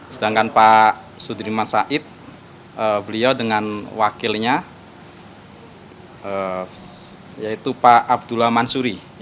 sedangkan pak sudirman said beliau dengan wakilnya yaitu pak abdullah mansuri